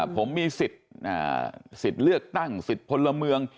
ผมมีสิทธิ์สิทธิ์เลือกตั้งสิทธิ์พลเมือง